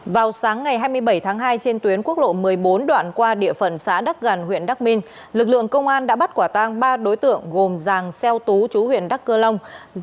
vào sáng ngày hai mươi bảy tháng hai trên tuyến quốc lộ một mươi bốn đoạn qua địa phận xã đắc gàn huyện đắc minh lực lượng công an đã bắt quả tang ba đối tượng gồm giàng xeo tú chú huyện đắc cơ long